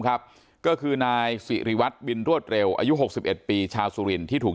ก็คือนายสิริวัตรบินรวดเร็วอายุ๖๑ปีชาวสุรินที่ถูก